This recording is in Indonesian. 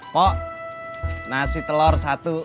pok nasi telur satu